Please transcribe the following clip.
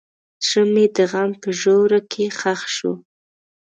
زړه مې د غم په ژوره کې ښخ شو.